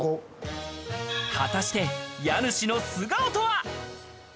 果たして家主の素顔とは？